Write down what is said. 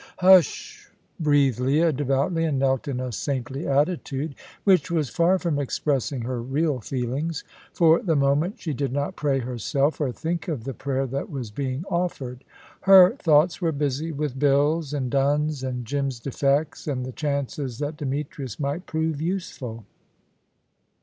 "H sh s s s!" breathed Leah, devoutly, and knelt in a saintly attitude which was far from expressing her real feelings. For the moment she did not pray herself, or think of the prayer that was being offered. Her thoughts were busy with bills and duns and Jim's defects, and the chances that Demetrius might prove useful.